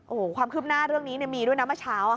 โอ้โหความคืบหน้าเรื่องนี้มีด้วยนะเมื่อเช้า